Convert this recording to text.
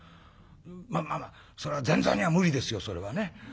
まあまあそれは前座には無理ですよそれはね。